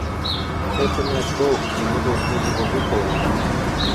Это наш долг, и мы должны его выполнить.